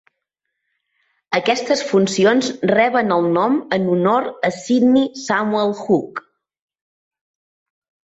Aquestes funcions reben el nom en honor a Sydney Samuel Hough.